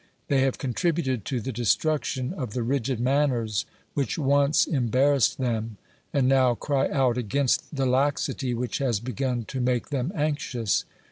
They have contributed to the destruction of the rigid manners which once embarrassed them, and now cry out against the laxity which has begun to make them anxious.